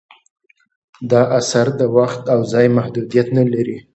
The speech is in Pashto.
دا اثر د وخت او ځای محدودیت نه لري.